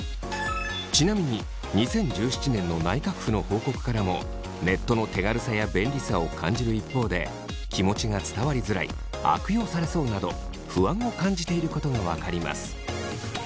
ちなみに２０１７年の内閣府の報告からもネットの手軽さや便利さを感じる一方で気持ちが伝わりづらい悪用されそうなど不安を感じていることが分かります。